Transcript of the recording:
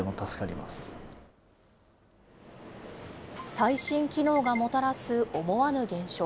最新機能がもたらす思わぬ現象。